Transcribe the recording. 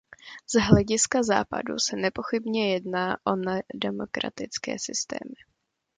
Z hlediska Západu se nepochybně jedná o nedemokratické systémy.